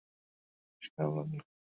শুনে বেশ খারাপ লাগলো!